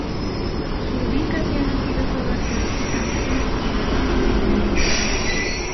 Su ubicación ha sido sólo arqueológicamente investigada parcialmente.